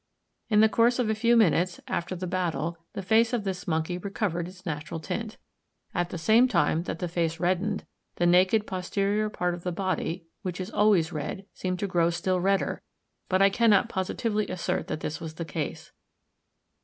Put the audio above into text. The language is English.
In the course of a few minutes, after the battle, the face of this monkey recovered its natural tint. At the same time that the face reddened, the naked posterior part of the body, which is always red, seemed to grow still redder; but I cannot positively assert that this was the case.